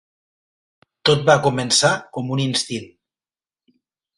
Tot va començar com un instint.